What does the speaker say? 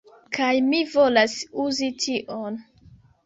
Kaj mi volas uzi tion